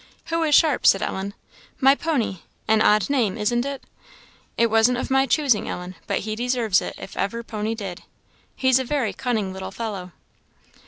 "Who is Sharp?" said Ellen. "My pony. An odd name, isn't it? It wasn't of my choosing, Ellen, but he deserves it, if ever pony did. He's a very cunning little fellow.